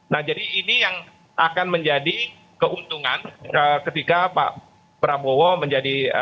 nah jadi ini yang akan menjadi keuntungan ketika pak prabowo menjadi